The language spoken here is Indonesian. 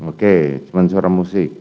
oke cuma suara musik